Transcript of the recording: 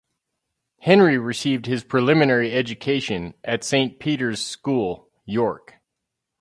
Henry received his preliminary education at Saint Peter's School, York.